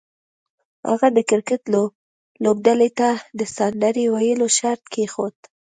هغه د کرکټ لوبډلې ته د سندرې ویلو شرط کېښود